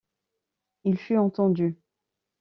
Il fut entendu.